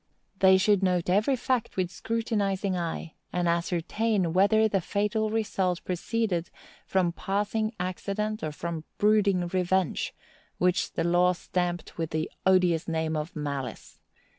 They should note every fact with scrutinizing eye, and ascertain whether the fatal result proceeded from passing accident or from brooding revenge, which the law stamped with the odious name of malice.